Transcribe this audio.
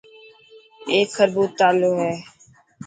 اي خربوت تالو هي.